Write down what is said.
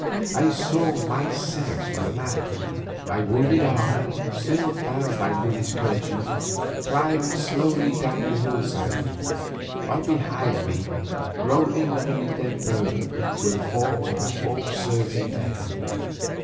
I saw myself a lad, my wounded arm still bound with Lily's kerchief, climbing slowly down the hill side, while behind me, groaning beneath their burden, were the forms of the four serving men.